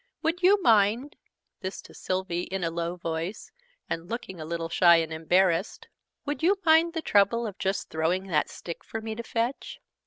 Would you mind" (this to Sylvie, in a low voice, and looking a little shy and embarrassed) "would you mind the trouble of just throwing that stick for me to fetch?"